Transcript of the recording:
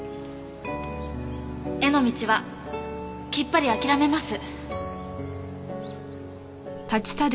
絵の道はきっぱり諦めます。